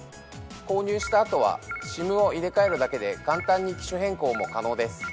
購入した後はＳＩＭを入れ替えるだけで簡単に機種変更も可能です。